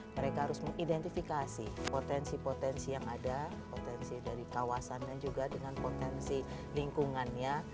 mereka harus mengidentifikasi potensi potensi yang ada potensi dari kawasannya juga dengan potensi lingkungannya